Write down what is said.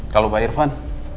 kalau pak irfan